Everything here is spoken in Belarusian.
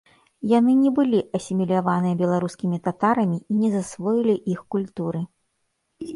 Яны не былі асіміляваныя беларускімі татарамі і не засвоілі іх культуры.